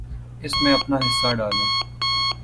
اس میں اپنا حصہ ڈالیں۔